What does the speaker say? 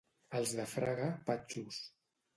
Els de Fraga, patxos.